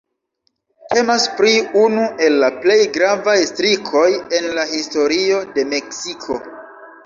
Temas pri unu el la plej gravaj strikoj en la historio de Meksiko.